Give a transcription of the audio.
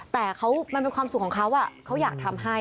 แต่มันเป็นความสุขของเขาเขาอยากทำให้